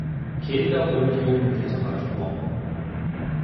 Kinder- und Jugendliteratur